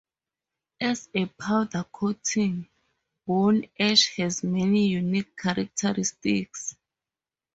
As a powder coating, bone ash has many unique characteristics.